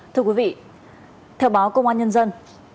thưa quý vị theo báo công an nhân dân